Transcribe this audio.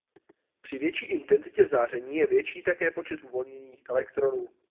Při větší intenzitě záření je větší také počet uvolněných elektronů.